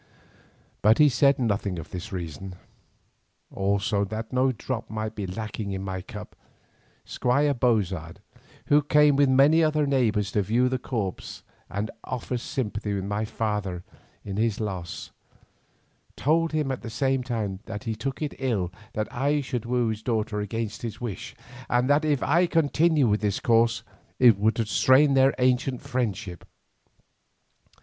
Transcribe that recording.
But he said nothing of this reason. Also that no drop might be lacking in my cup, Squire Bozard, who came with many other neighbours to view the corpse and offer sympathy with my father in his loss, told him at the same time that he took it ill that I should woo his daughter against his wish, and that if I continued in this course it would strain their ancient friendship.